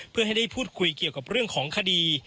เพื่อให้ได้พูดคุยเกี่ยวกับเรื่องของคดี